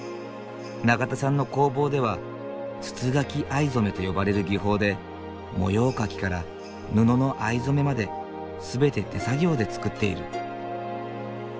長田さんの工房では筒描藍染と呼ばれる技法で模様描きから布の藍染めまで全て手作業で作っている。